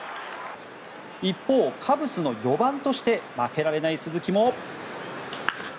一方、カブスの４番として負けられない鈴木も。